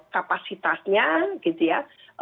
kapasitasnya gitu ya